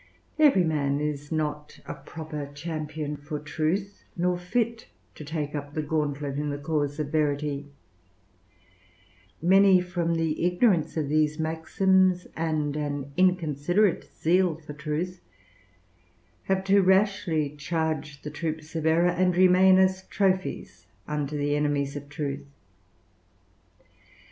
Every man is not a proper champion for truth, nor fit to take up the gauntlet in the cause of verity: many from the ignorance of these maxims, and an inconsiderate zeal for truth, have too rashly charged the troops of error, and remain as trophies unto the enemies of truth.